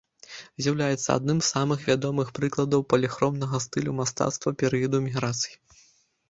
З'яўляецца адным самых вядомых прыкладаў паліхромнага стылю мастацтва перыяду міграцый.